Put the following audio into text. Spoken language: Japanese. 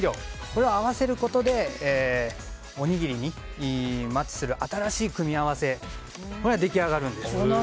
これを合わせることでおにぎりにマッチする新しい組み合わせが出来上がるんです。